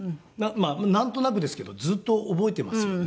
なんとなくですけどずっと覚えてますよね。